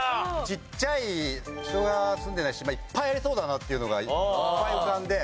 ちっちゃい人が住んでない島いっぱいありそうだなというのがいっぱい浮かんで。